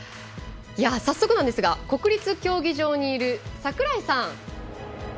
早速なんですが国立競技場にいる櫻井さん。